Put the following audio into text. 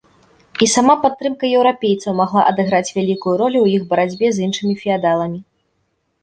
І сама падтрымка еўрапейцаў магла адыграць вялікую ролю ў іх барацьбе з іншымі феадаламі.